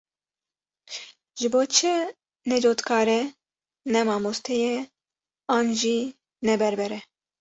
Ji bo çi ne cotkar e, ne mamoste ye, an jî ne berber e?